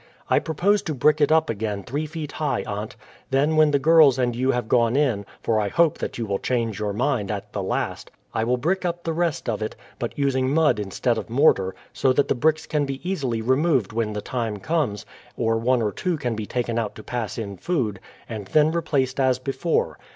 "I propose to brick it up again three feet high, aunt. Then when the girls and you have gone in for I hope that you will change your mind at the last I will brick up the rest of it, but using mud instead of mortar, so that the bricks can be easily removed when the time comes, or one or two can be taken out to pass in food, and then replaced as before.